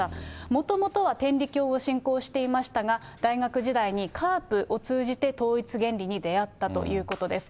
もともとは天理教を信仰していましたが、大学時代にＣＡＲＰを通じて、統一原理に出会ったということです。